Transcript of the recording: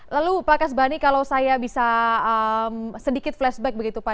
lalu pak kasbani kalau saya bisa sedikit flashback begitu pak